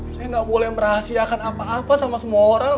saya nggak boleh merahasiakan apa apa sama semua orang